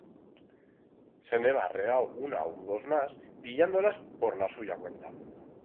Se'n heba arreau una u dos mas pillando-las por la suya cuenta.